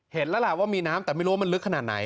เห็นแล้วล่ะว่ามีน้ำแต่ไม่รู้ว่ามันลึกขนาดไหน